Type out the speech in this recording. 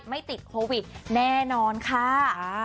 ไม่ติดโควิดแน่นอนค่ะ